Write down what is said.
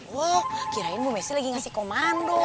wow kirain bu messi lagi ngasih komando